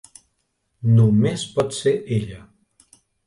Només pot ser ella.